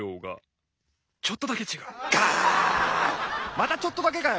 またちょっとだけかよ！